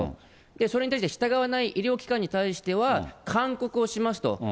それに対して従わない医療機関に対しては勧告をしますと。